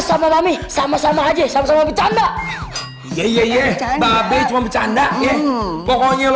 sama sama aja sama sama bercanda iya iya iya bapak bercanda ya pokoknya lu